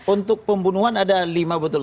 untuk pembunuhan ada lima betul